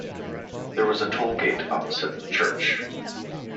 There was a toll gate opposite the church.